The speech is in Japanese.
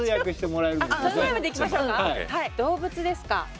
動物ですか？